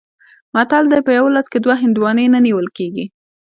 متل دی: په یوه لاس کې دوه هندواڼې نه نیول کېږي.